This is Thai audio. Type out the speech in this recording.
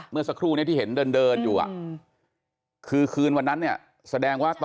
เมื่อสักครู่นี้ที่เห็นเดินอยู่คือคืนวันนั้นเนี่ยแสดงว่า